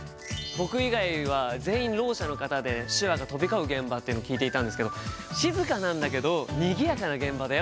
僕以外は全員ろう者の方で手話が飛び交う現場というのを聞いていたんですけど静かなんだけどにぎやかな現場だよって。